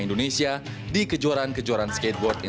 positif buat generasi baru